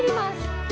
aku mau masuk